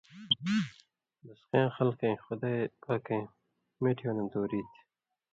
دُوسقیاں خلکَیں (خدائ پاکَیں مِٹھیُوں نہ) دُوری تھی۔